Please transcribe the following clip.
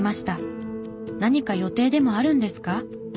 何か予定でもあるんですか？